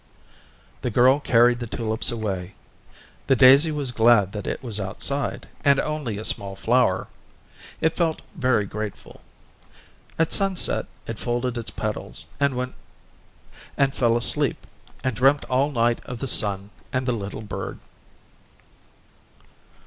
The girl carried the tulips away. The daisy was glad that it was outside, and only a small flower it felt very grateful. At sunset it folded its petals, and fell asleep, and dreamt all night of the sun and the little bird.